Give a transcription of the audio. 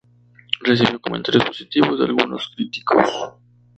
Recibió comentarios positivos de algunos críticos.